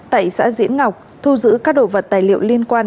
tại xã diễn ngọc thu giữ các đồ vật tài liệu liên quan